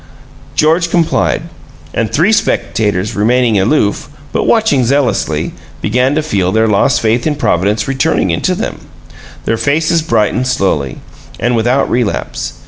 George complied. And three spectators, remaining aloof, but watching zealously, began to feel their lost faith in Providence returning into them; their faces brightened slowly, and without relapse.